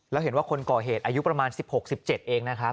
แล้วเห็นว่าคนก่อเหตุอายุประมาณ๑๖๑๗เองนะครับ